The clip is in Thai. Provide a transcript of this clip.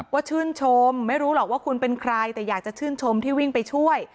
ชื่นชมไม่รู้หรอกว่าคุณเป็นใครแต่อยากจะชื่นชมที่วิ่งไปช่วย